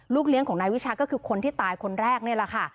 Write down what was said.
เลี้ยงของนายวิชาก็คือคนที่ตายคนแรกนี่แหละค่ะ